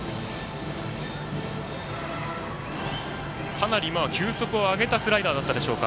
かなり今は球速を上げたスライダーだったでしょうか。